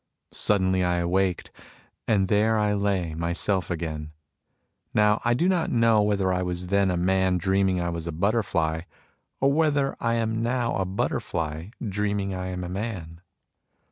Suddenly I awaked, and there I lay, myself again. Now I do not know whether I was then a man dreaming I was a butterfly, or whether I am now a butterfly dreaming I am a man.